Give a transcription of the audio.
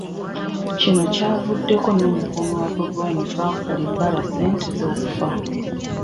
Kino kyavuddeko n'omukuumi wa Bobi Wine, Frank Kalibbala Ssenteza, okufa